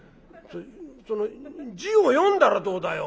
その字を読んだらどうだよ？」。